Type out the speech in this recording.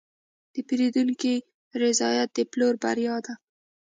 د پیرودونکي رضایت د پلور بریا ده.